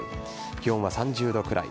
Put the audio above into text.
気温は３０度くらい。